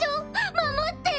守ってね。